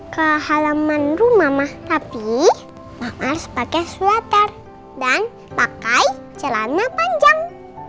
ke halaman rumah ma tapi ma harus pakai solatar dan pakai celana panjang